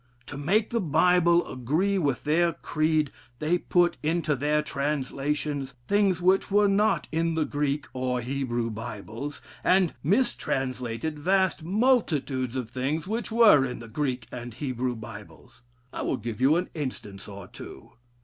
To make the Bible agree with their creed, they put into their translation things which were not in the Greek or Hebrew Bibles, and mistranslated vast multitudes of things which were in the Greek and Hebrew Bibles. I will give you an instance or two.